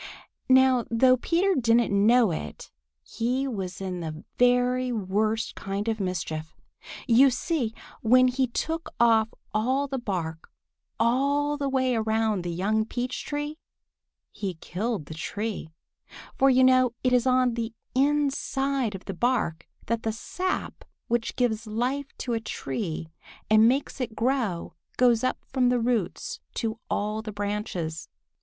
Now though Peter didn't know it, he was in the very worst kind of mischief. You see, when he took off all the bark all the way around the young peach tree he killed the tree, for you know it is on the inside of the bark that the sap which gives life to a tree and makes it grow goes up from the roots to all the branches.